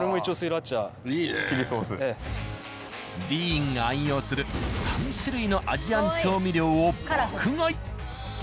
ディーンが愛用する３種類のアジアン調味料を爆買い。